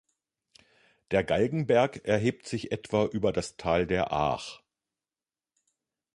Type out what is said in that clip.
Der Galgenberg erhebt sich etwa über das Tal der Aach.